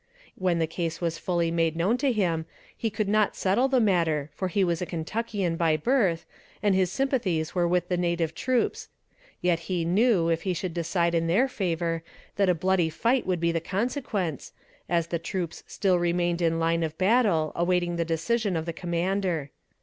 When the case was fully made known to him he could not settle the matter, for he was a Kentuckian by birth, and his sympathies were with the native troops yet he knew if he should decide in their favor that a bloody fight would be the consequence, as the troops still remained in line of battle awaiting the decision of the commander.